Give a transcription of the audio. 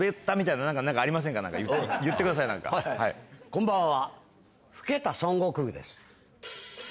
こんばんは。